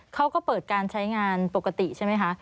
เขาก็เปิดการใช้งานปกติใช่ไหมคะ